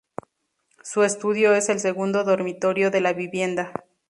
Su estudio es el segundo dormitorio de la vivienda.